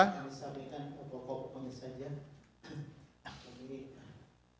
saya yang disampaikan pokok pokoknya saja